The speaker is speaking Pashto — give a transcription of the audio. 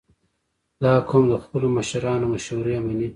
• دا قوم د خپلو مشرانو مشورې منې.